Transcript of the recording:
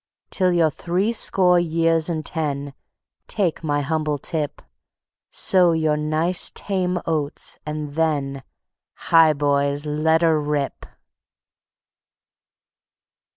Till you're threescore years and ten, take my humble tip, Sow your nice tame oats and then ... Hi, boys! Let 'er rip.